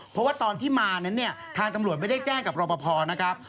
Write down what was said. เพราะว่าตอนที่มานั้นเนี่ยทางตำรวจไม่ได้แจ้งกับรอปภนะครับ